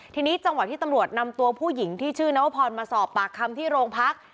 ทีนี้จังหวะที่ตำรวจนำตัวผู้หญิงที่ชื่อนวพรมาสอบปากคำที่โรงพัก